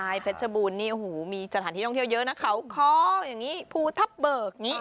ใช่เพชรบูรณ์นี่โอ้โหมีสถานที่ท่องเที่ยวเยอะนะเขาค้ออย่างนี้ภูทับเบิกอย่างนี้